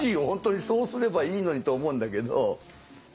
本当にそうすればいいのにと思うんだけど。